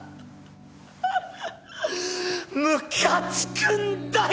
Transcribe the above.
ムカつくんだよ